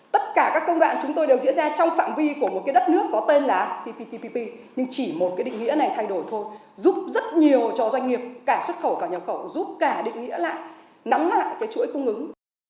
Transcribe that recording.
tất cả các công đoạn chúng tôi đều diễn ra trong phạm vi của một cái đất nước có tên là cptpp nhưng chỉ một cái định nghĩa này thay đổi thôi giúp rất nhiều cho doanh nghiệp cả xuất khẩu cả nhập khẩu giúp cả định nghĩa lại nắm lại cái chuỗi cung ứng